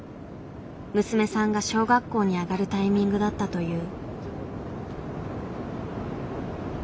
娘さんが小学校に上がるタイミングだったという。